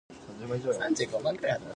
日本語を読み書きするのは難しい